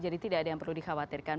jadi tidak ada yang perlu dikhawatirkan